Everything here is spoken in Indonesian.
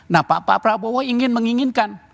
nah pak prabowo ingin menginginkan